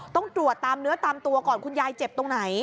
ต้องตรวจตามเนื้อตามตัวก่อนคุณยายเจ็บตรงไหน